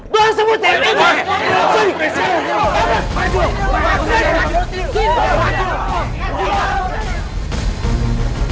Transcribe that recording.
doang semua terima kasih